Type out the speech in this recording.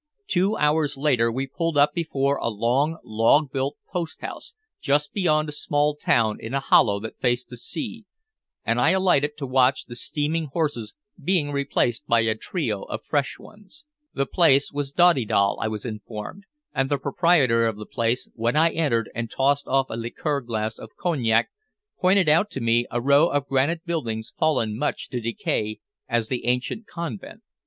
Two hours later we pulled up before a long log built post house just beyond a small town in a hollow that faced the sea, and I alighted to watch the steaming horses being replaced by a trio of fresh ones. The place was Dadendal, I was informed, and the proprietor of the place, when I entered and tossed off a liqueur glass of cognac, pointed out to me a row of granite buildings fallen much to decay as the ancient convent.